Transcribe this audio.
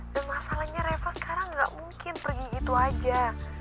dan masalahnya reva sekarang gak mungkin pergi gitu aja